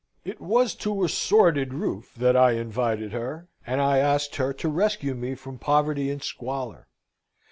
It was to a sordid roof that I invited her, and I asked her to rescue me from poverty and squalor.